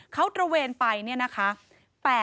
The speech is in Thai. เขาตระเวนไปเนี่ยนะคะ